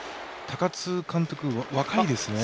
高津監督、若いですね。